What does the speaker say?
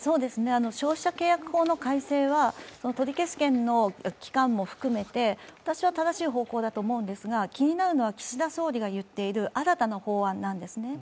消費者契約法の改正は取消権も含めて私は正しい方向だと思うんですが、気になるのは岸田総理が言っている新たな法案なんですね。